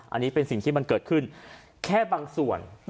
อันนี้เป็นสิ่งที่มันเกิดขึ้นแค่บางส่วน